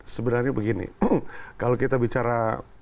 sebenarnya begini kalau kita bicara